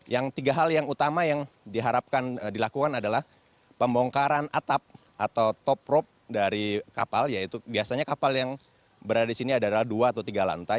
yang tiga hal yang utama yang diharapkan dilakukan adalah pembongkaran atap atau top rope dari kapal yaitu biasanya kapal yang berada di sini adalah dua atau tiga lantai